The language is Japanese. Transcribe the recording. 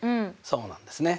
そうなんですね。